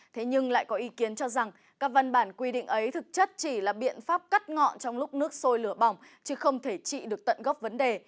thế nhưng lại có ý kiến cho rằng các văn bản quy định ấy thực chất chỉ là biện pháp cắt ngọn trong lúc nước sôi lửa bỏng chứ không thể trị được tận gốc vấn đề